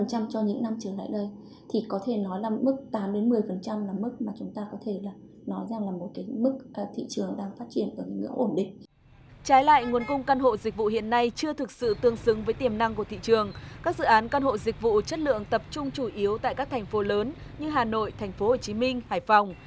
các dự án căn hộ dịch vụ chất lượng tập trung chủ yếu tại các thành phố lớn như hà nội tp hcm hải phòng